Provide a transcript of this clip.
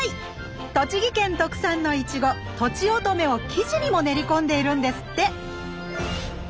栃木県特産のいちご「とちおとめ」を生地にも練り込んでいるんですって！